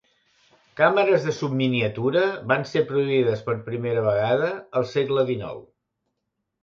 Càmeres de subminiatura van ser produïdes per primera vegada al segle dinou.